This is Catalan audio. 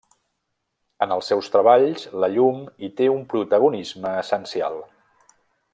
En els seus treballs la llum hi té un protagonisme essencial.